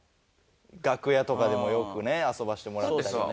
楽屋とかでもよくね遊ばせてもらってたりね。